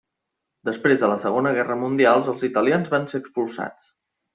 Després de la Segona Guerra Mundial els italians van ser expulsats.